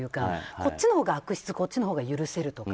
こっちのほうが悪質こっちのほうが許せるとか。